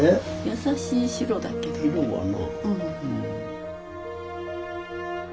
優しい白だけどね。